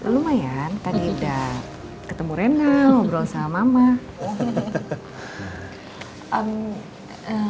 lumayan tadi udah ketemu rena ngobrol sama mama